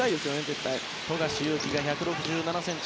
富樫勇樹が１６７ｃｍ